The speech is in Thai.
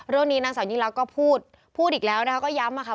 เรื่องนี้นางสาวยิ่งลักษณ์ก็พูดพูดอีกแล้วนะคะก็ย้ำอะค่ะ